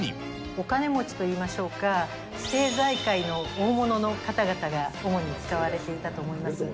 お金持ちといいましょうか、政財界の大物の方々が主に使われていたと思います。